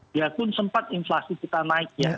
biarpun sempat inflasi kita naik ya